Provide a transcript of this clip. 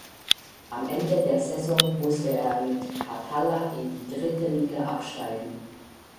Am Ende der Saison musste er mit Kataller in die dritte Liga absteigen.